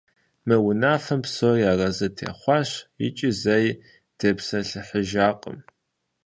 Мы унафэм псори аразы техъуащ икӏи зэи тепсэлъыхьыжакъым.